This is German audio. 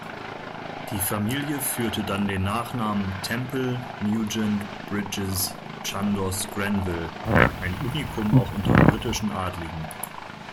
Die Familie führte dann den Nachnamen Temple-Nugent-Brydges-Chandos-Grenville, ein Unikum auch unter britischen Adligen.